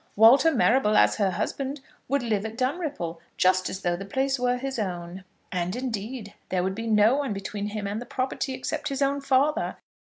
Walter Marrable, as her husband, would live at Dunripple, just as though the place were his own. And indeed there would be no one between him and the property except his own father.